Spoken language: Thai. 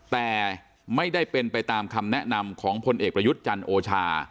แต่ไม่ได้เป็นไปตามคำแนะนำของพลเอกประยุทธ์จันทร์โอชา